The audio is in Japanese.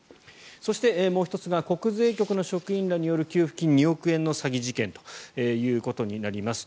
そしてもう１つが国税局の職員らによる給付金２億円の詐欺事件となります。